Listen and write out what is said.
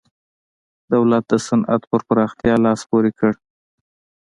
دولت د صنعت پر پراختیا لاس پورې کړ.